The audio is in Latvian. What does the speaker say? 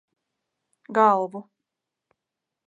Galvu.